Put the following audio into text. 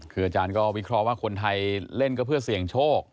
คืออาจารย์ก็วิเคราะห์ว่าคนไทยเล่นก็เพื่อเสี่ยงโชค